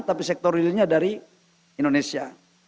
tapi sektor realnya dari indonesia